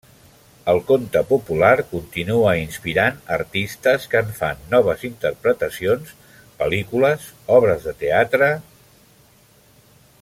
El conte popular continua inspirant artistes que en fan noves interpretacions, pel·lícules, obres de teatre…